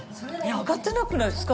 上がってなくないですか？